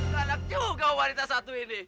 anak juga wanita satu ini